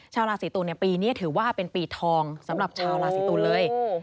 ชาวราศีตุลปีนี้ถือว่าเป็นปีทองสำหรับชาวราศีตุลเลย